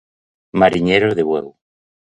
Mariñeiro de Bueu.